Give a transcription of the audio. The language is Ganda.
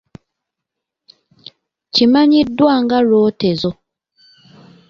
Kimanyiddwa nga lwotezo.